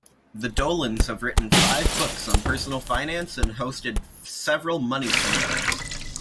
The Dolans have written five books on personal finance and hosted several money seminars.